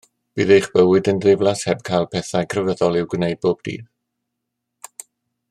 Bydd eich bywyd yn ddiflas heb cael pethau crefyddol i'w gwneud pob dydd.